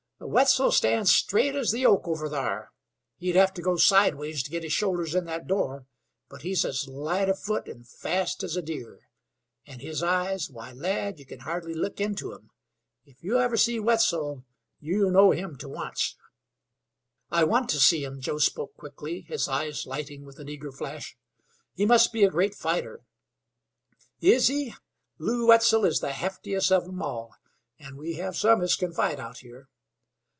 "Wetzel stands straight as the oak over thar. He'd hev' to go sideways to git his shoulders in that door, but he's as light of foot an' fast as a deer. An' his eyes why, lad, ye kin hardly look into 'em. If you ever see Wetzel you'll know him to onct." "I want to see him," Joe spoke quickly, his eyes lighting with an eager flash. "He must be a great fighter." "Is he? Lew Wetzel is the heftiest of 'em all, an' we hev some as kin fight out here.